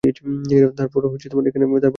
তারপর এখানে চলে এলাম।